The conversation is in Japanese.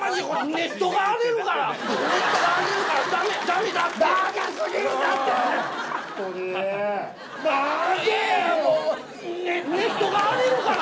ネットが荒れるから！